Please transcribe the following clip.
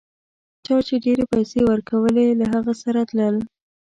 چا چي ډېرې پیسې ورکولې له هغه سره تلل.